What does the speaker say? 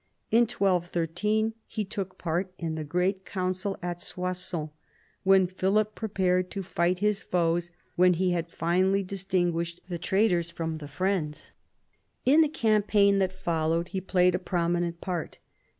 In 1213 he took part in the great council at Soissons, when Philip prepared to fight his foes when he had finally distinguished the traitors from the friends. In the campaign that followed he played a prominent part.